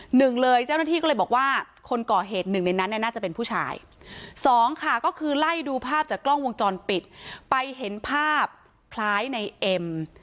หนึ่งเลยเจ้าหน้าที่ก็เลยบอกว่าคนก่อเหตุหนึ่งในนั้นเนี่ยน่าจะเป็นผู้ชายสองค่ะก็คือไล่ดูภาพจากกล้องวงจรปิดไปเห็นภาพคล้ายในเอ็ม